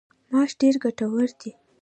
ماش ډیر ګټور دي.